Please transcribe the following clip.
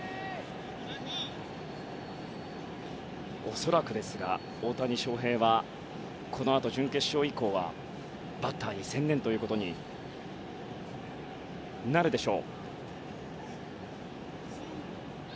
恐らく大谷翔平はこのあと準決勝以降はバッターに専念ということになるでしょう。